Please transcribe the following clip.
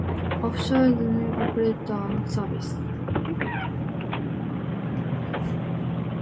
After a few the new operator withdrew its service.